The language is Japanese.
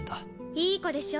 いい子でしょ？